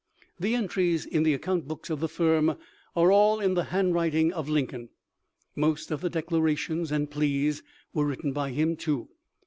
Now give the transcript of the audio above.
The entries in the ac count books of the firm are all in the handwrit ing of Lincoln. Most of the declarations and pleas were written by him also.